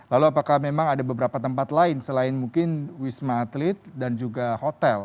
lalu apakah memang ada beberapa tempat lain selain mungkin wisma atlet dan juga hotel